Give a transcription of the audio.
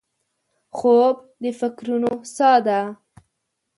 خوب د فکرونو سا ده